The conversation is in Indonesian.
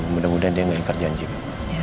mudah mudahan dia gak ingkar janjinya